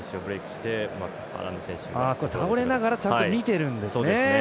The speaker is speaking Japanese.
倒れながらちゃんと見ているんですね。